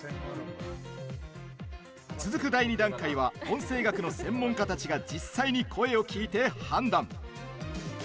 続く第２段階は音声学の専門家たちが実際の声を聞いて判断。